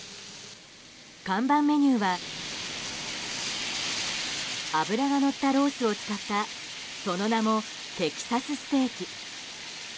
看板メニューは脂がのったロースを使ったその名も、テキサスステーキ。